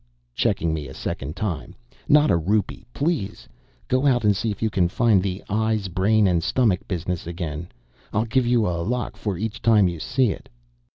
checking me a second time "not a rupee, please. Go out and see if you can find the eyes brain and stomach business again. I'll give you a lakh for each time you see it."